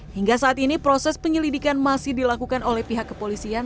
hingga saat ini proses penyelidikan masih dilakukan oleh pihak kepolisian